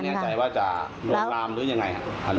แน่ใจว่าจะลวนลามหรือยังไงครับ